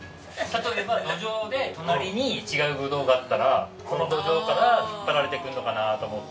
例えば土壌で隣に違うブドウがあったらその土壌から引っ張られてくるのかなと思って。